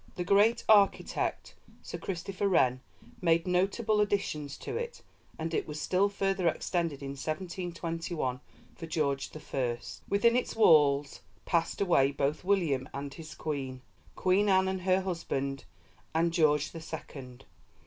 The great architect, Sir Christopher Wren, made notable additions to it, and it was still further extended in 1721 for George the First. Within its walls passed away both William and his Queen, Queen Anne and her husband, and George the Second.